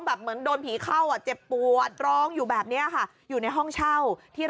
แบบเหมือนโดนผีเข้าป่ะเจ็บปวดร้องอยู่แบบนี้ค่ะ